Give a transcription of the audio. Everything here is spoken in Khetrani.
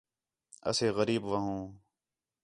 اسے غریب وہوں